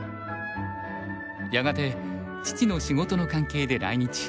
やがて父の仕事の関係で来日。